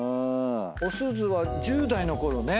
おすずは１０代のころね。